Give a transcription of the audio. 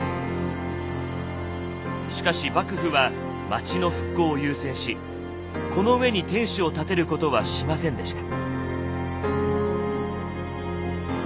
しかし幕府は町の復興を優先しこの上に天守を建てることはしませんでした。